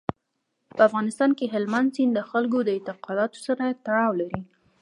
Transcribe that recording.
په افغانستان کې هلمند سیند د خلکو د اعتقاداتو سره تړاو لري.